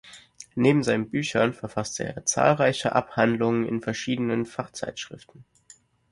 Neben seinen Büchern verfasste er zahlreiche Abhandlungen in verschiedenen Fachzeitschriften.